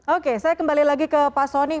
oke saya kembali lagi ke pak soni